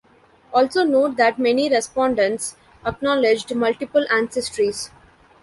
Also note that many respondents acknowledged multiple ancestries.